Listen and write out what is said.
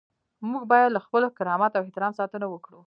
موږ باید له خپل کرامت او احترام ساتنه وکړو.